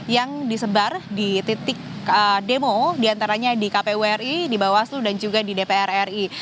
yang disebar di titik demo diantaranya di kpu ri di bawaslu dan juga di dpr ri